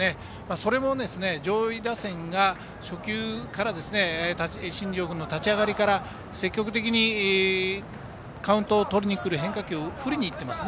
それも上位打線が、初球から新庄君の立ち上がりからカウントをとりにくる変化球を積極的に振りにいってます。